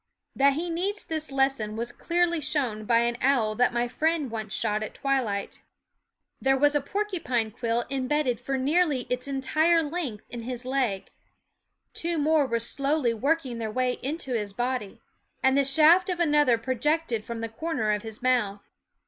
That he needs this lesson was clearly shown by an owl that my friend once shot at twilight. There was a porcupine quill 9 SCHOOL Of imbedded for nearly its entire length in his ; leg. Two more were slowly working their way into his body; and the shaft of another projected from the corner of his mouth.